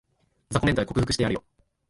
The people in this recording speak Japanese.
雑魚メンタル克服してやるよ